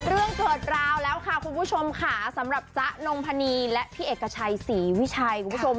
เรื่องเกิดราวแล้วค่ะคุณผู้ชมค่ะสำหรับจ๊ะนงพนีและพี่เอกชัยศรีวิชัยคุณผู้ชม